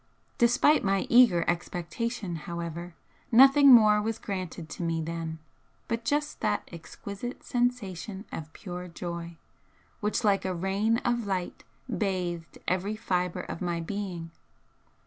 Despite my eager expectation, however, nothing more was granted to me then but just that exquisite sensation of pure joy, which like a rain of light bathed every fibre of my being.